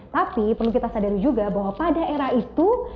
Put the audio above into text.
tapi perlu kita sadari juga bahwa pada era itu